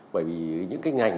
bởi vì những cái ngành